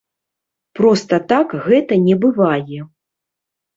Проста так гэта не бывае.